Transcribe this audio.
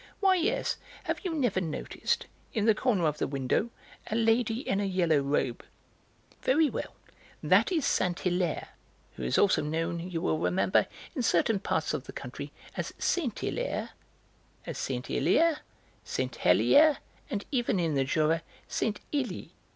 "Why yes, have you never noticed, in the corner of the window, a lady in a yellow robe? Very well, that is Saint Hilaire, who is also known, you will remember, in certain parts of the country as Saint Illiers, Saint Hèlier, and even, in the Jura, Saint Ylie.